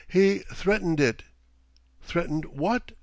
"He threatened it!" "Threatened what?"